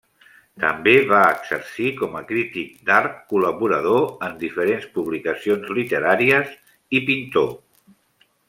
També va exercir com a crític d'art, col·laborador en diferents publicacions literàries i pintor.